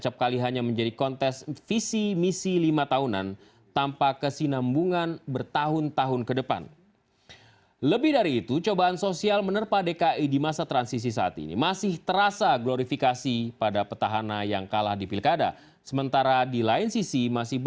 pak jarod terima kasih atas waktu ini